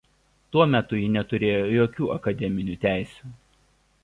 Tuo metu ji neturėjo jokių akademinių teisių.